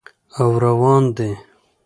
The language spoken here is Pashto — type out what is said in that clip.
او روان دي